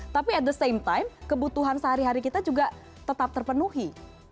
tapi at the same time kebutuhan sehari hari kita juga tetap terpenuhi